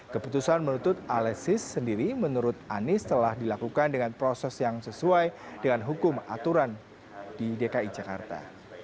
keputusan menuntut alexis sendiri menurut anies telah dilakukan dengan proses yang sesuai dengan hukum aturan di dki jakarta